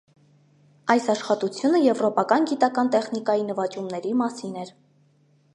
Այս աշխատությունը եվրոպական գիտական տեխնիկայի նվաճումների մասին էր։